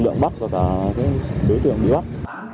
lượng bắt và cả đối tượng bị bắt